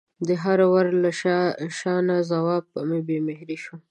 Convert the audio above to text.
د هر وره له شانه ځواب په بې مهرۍ شوم